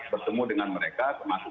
bertemu dengan mereka termasuk